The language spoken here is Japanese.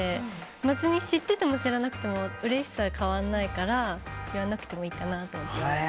別に知っていても知らなくてもうれしさは変わらないから言わなくてもいいかなと思って。